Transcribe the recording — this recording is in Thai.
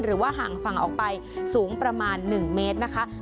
ห่างฝั่งออกไปสูงประมาณ๑เมตรนะคะ